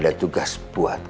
ada tugas buat kamu